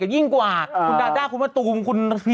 เช้ารู้จักใครมา